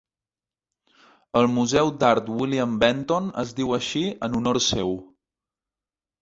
El Museu d'Art William Benton es diu així en honor seu.